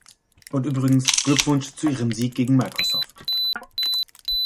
Und übrigens Glückwunsch zu Ihrem Sieg gegen Microsoft.